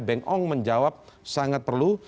beng ong menjawab sangat perlu